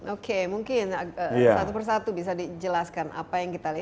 oke mungkin satu persatu bisa dijelaskan apa yang kita lihat